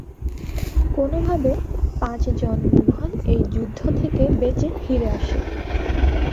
কোনোভাবে, পাঁচজন মুঘল এই যুদ্ধ থেকে বেঁচে ফিরে আসে।